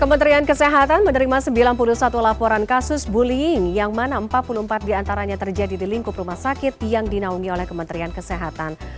kementerian kesehatan menerima sembilan puluh satu laporan kasus bullying yang mana empat puluh empat diantaranya terjadi di lingkup rumah sakit yang dinaungi oleh kementerian kesehatan